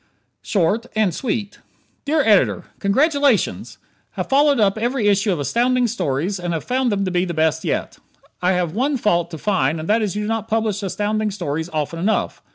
Short and Sweet Dear Editor: Congratulations! Have followed up every issue of Astounding Stories and have found them the best yet. I have one fault to find and that is you do not publish Astounding Stories often enough.